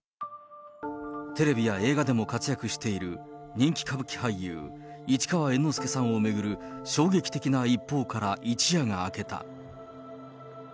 テレビや映画でも活躍している人気歌舞伎俳優、市川猿之助さんを巡る衝撃的な一報から一夜が明けた。